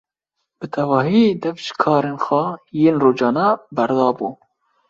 Bi tevahî dev ji karên xwe yên rojane berdabû.